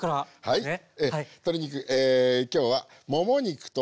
はい。